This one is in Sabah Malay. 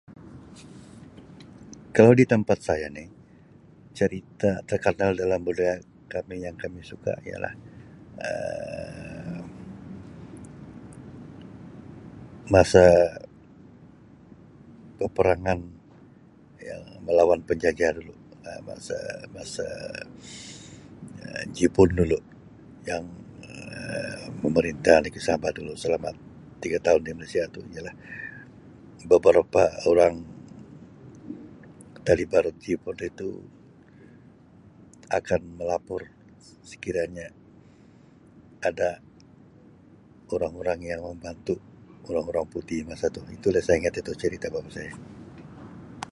Kalau di tempat saya ni cerita terkenal dalam budaya kami yang kami suka ialah Um masa perperangan Um melawan penjajah dulu Um masa masa Um Jepun dulu yang Um memerintah negeri Sabah dulu selama tiga tahun di Malaysia tu ialah beberapa orang tali barut Jepun itu akan melapor sekiranya ada orang-orang yang membantu orang-orang putih masa tu itu lah saya ingat tu cerita bapa saya.